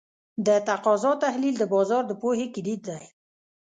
د تقاضا تحلیل د بازار د پوهې کلید دی.